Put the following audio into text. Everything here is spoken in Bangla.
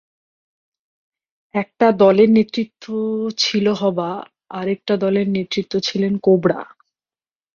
একটা দলের নেতৃত্বে ছিল হবা, আরেকটা দলের নেতৃত্বে ছিলেন কোবরা।